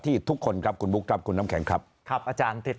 ทุกคนครับคุณบุ๊คครับคุณน้ำแข็งครับครับอาจารย์